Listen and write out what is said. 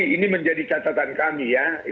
ini menjadi catatan kami